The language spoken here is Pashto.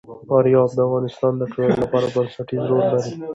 فاریاب د افغانستان د ټولنې لپاره بنسټيز رول لري.